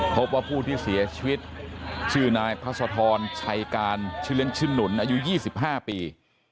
พบว่าผู้ที่เสียชีวิตชื่อนายพัศธรชัยการชื่อเล่นชื่อหนุนอายุ๒๕ปี